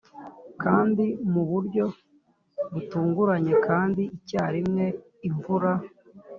kandi mu buryo butunguranye, kandi icyarimwe, imvura!